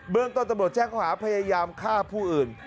เบื้องต้นตะบดแจ้งขวาพยายามฆ่าผู้อื่น